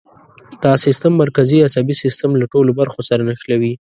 دا سیستم مرکزي عصبي سیستم له ټولو برخو سره نښلوي.